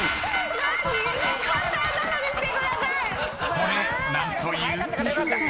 ［これ何という？］